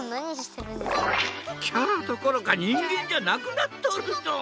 キャラどころかにんげんじゃなくなっとるドン！